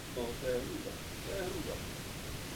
Kvůli poruše jsou okolnostmi donuceni nouzově přistát.